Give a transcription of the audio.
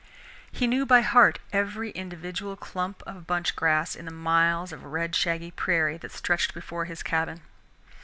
He knew by heart every individual clump of bunch grass in the miles of red shaggy prairie that stretched before his cabin.